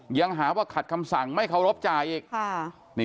ยังหาว่าขัดคำสั่งไม่เคารพจ่ายอีก